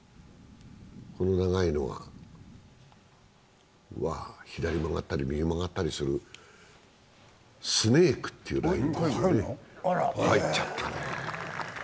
この長いのが、左曲がったり右曲がったりするスネークっていうラインですね、入っちゃったね。